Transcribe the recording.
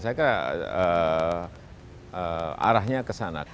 saya kira arahnya ke sana